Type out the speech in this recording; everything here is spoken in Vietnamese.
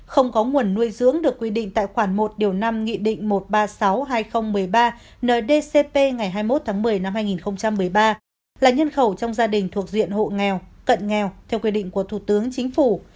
không có nguồn nuôi dưỡng được quy định tại khoản một năm nghị định một trăm ba mươi sáu hai nghìn một mươi ba ndcp ngày hai mươi một tháng một mươi năm hai nghìn một mươi ba là nhân khẩu trong gia đình thuộc diện hộ nghèo cận nghèo theo quy định của thủ tướng chính phủ